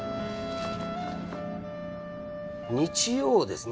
日曜ですね